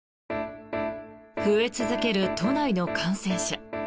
増え続ける都内の感染者。